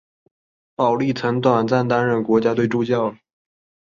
保历曾短暂担任国家队助教。